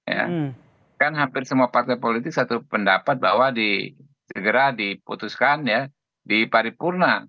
ya kan hampir semua partai politik satu pendapat bahwa segera diputuskan ya di paripurna